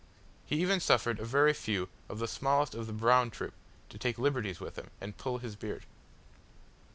He even suffered a few of the very smallest of the brown troop to take liberties with him, and pull his beard.